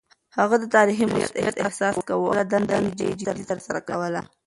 هغه د تاريخي مسووليت احساس کاوه او خپله دنده يې جدي ترسره کوله.